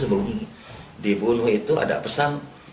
sebelum dibunuh itu ada pesan